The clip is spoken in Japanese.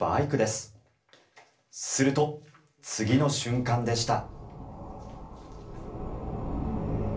すると次の瞬間でした。